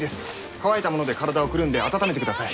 乾いたもので体をくるんで温めてください。